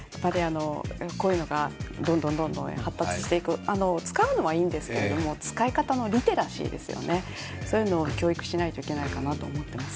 こういうのがどんどん発達していく、使うのはいいんですけど使い方のリテラシーですよね、そういうのを教育しないといけないかなと思います。